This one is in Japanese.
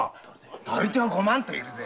なり手はゴマンといるぜ。